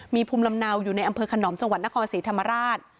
มีภูมิลำเนาอยู่ในอำเภอขนอมจังหวัดนครศรีธรรมราช